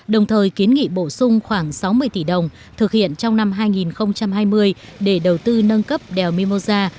đồng thời kiến nghị bổ sung khoảng sáu mươi tỷ đồng thực hiện trong năm hai nghìn hai mươi để đầu tư nâng cấp đèo mimosa